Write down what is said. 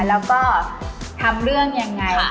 แล้วก็ทำเรื่องยังไง